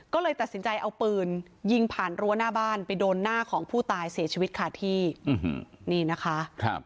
ก็เลยตัดสินใจเอาปืนยิงผ่านรั้วหน้าบ้านไปโดนหน้าของผู้ตายเสียชีวิตขาดที่นี่นะคะ